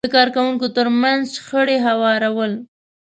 د کار کوونکو ترمنځ شخړې هوارول،